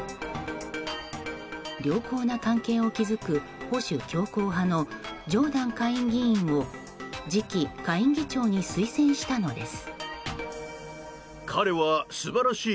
良好な関係を築く保守強硬派のジョーダン下院議員を次期下院議長に推薦したのです。